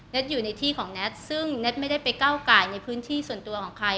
อยู่ในที่ของแท็ตซึ่งแท็ตไม่ได้ไปก้าวไก่ในพื้นที่ส่วนตัวของใคร